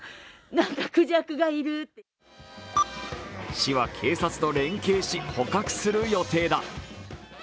市は警察と連携し、捕獲する予定だ。